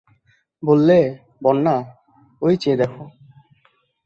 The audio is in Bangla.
বললে, বন্যা, ঐ চেয়ে দেখো।